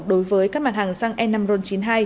đối với các mặt hàng xăng e năm ron chín mươi hai